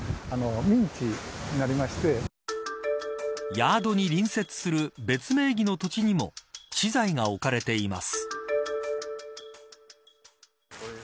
ヤードに隣接する別名義の土地にも資材が置かれています。